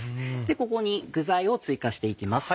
ここに具材を追加して行きます。